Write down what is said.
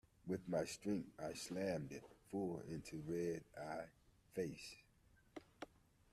With my strength I slammed it full into Red-Eye's face.